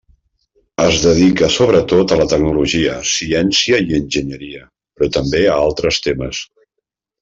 Es dedica sobretot a la tecnologia, ciència i enginyeria, però també a altres temes.